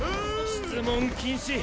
質問禁止！